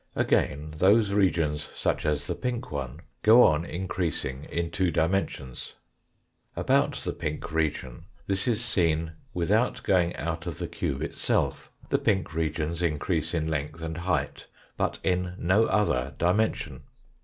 Again, those regions such as the pink one, go on increasing in two dimensions. About the pink region this is seen without going out of the cube itself, the pink regions increase in length and height, but in no other dimension.